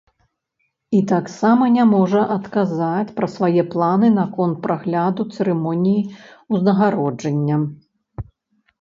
І таксама не можа адказаць пра свае планы наконт прагляду цырымоніі ўзнагароджання.